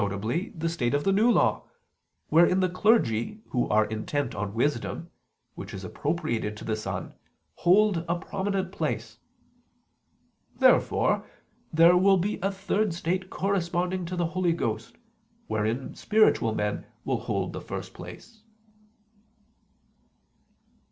the state of the New Law, wherein the clergy who are intent on wisdom (which is appropriated to the Son) hold a prominent place. Therefore there will be a third state corresponding to the Holy Ghost, wherein spiritual men will hold the first place.